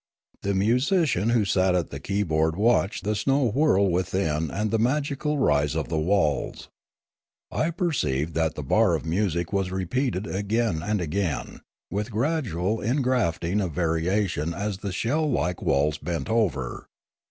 The musi cian who sat at the key board watched the snow whirl within and the magical rise of the walls. I perceived that the bar of music was repeated again and again, with gradual ingrafting of variation as the shell like walls bent over.